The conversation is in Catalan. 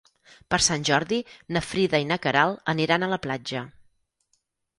Per Sant Jordi na Frida i na Queralt aniran a la platja.